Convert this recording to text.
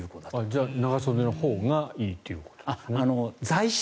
じゃあ、長袖のほうがいいということですね？